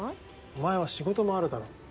お前は仕事もあるだろ。